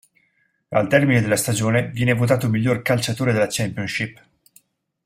Al termine della stagione viene votato miglior calciatore della Championship.